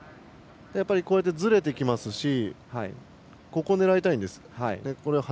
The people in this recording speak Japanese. ずれてきますしここを狙いたいんです。